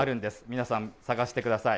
皆さん、探してください。